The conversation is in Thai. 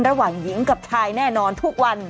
ระหว่างหญิงกับชายแน่นอนทุกวัน